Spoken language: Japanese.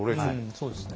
そうですね。